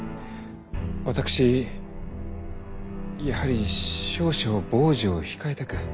私やはり少々房事を控えたく。